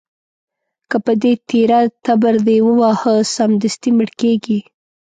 که په دې تېره تبر دې وواهه، سمدستي مړ کېږي.